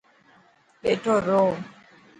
ٻيٺو رهه.